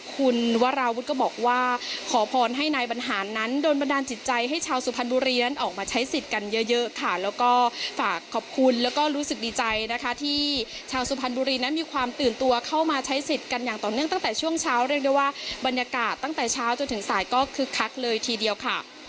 คุณวราวุฒิก็บอกว่าขอพรให้นายบรรหารนั้นโดนบันดาลจิตใจให้ชาวสุพรรณบุรีนั้นออกมาใช้สิทธิ์กันเยอะค่ะแล้วก็ฝากขอบคุณแล้วก็รู้สึกดีใจนะคะที่ชาวสุพรรณบุรีนั้นมีความตื่นตัวเข้ามาใช้สิทธิ์กันอย่างต่อเนื่องตั้งแต่ช่วงเช้าเรียกได้ว่าบรรยากาศตั้งแต่เช้าจนถึงสายก็คึกคักเลยทีเดียวค่ะ